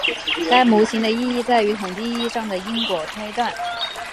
该模型的意义在于统计意义上的因果推断。